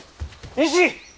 石！